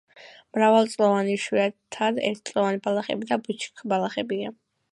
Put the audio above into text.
მრავალწლოვანი, იშვიათად ერთწლოვანი ბალახები და ბუჩქბალახებია.